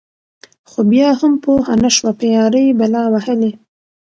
خو بيا هم پوهه نشوه په يــارۍ بلا وهــلې.